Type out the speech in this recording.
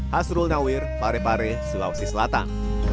hasrul nawir pare pare sulawesi selatan